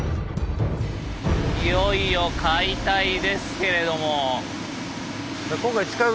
いよいよ解体ですけれども。